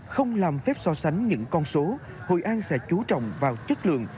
không làm phép so sánh những con số hội an sẽ chú trọng vào chất lượng